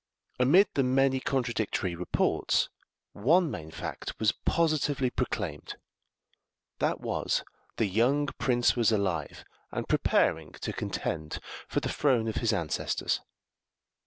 Amid the many contradictory reports, one main fact was positively proclaimed that was, the young prince was alive, and preparing to contend for the throne of his ancestors.